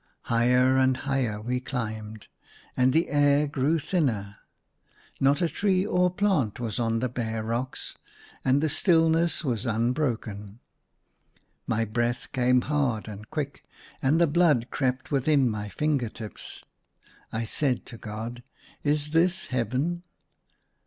Higher and higher we climbed, and the air grew thinner. Not a tree or plant was on the bare rocks, and the stillness was unbroken. My breath came hard and quick, and the blood crept within my finger tips. I said to God, " Is this Heaven